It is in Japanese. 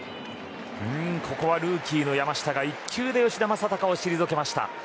ここはルーキーの山下が１球で吉田正尚を退けました。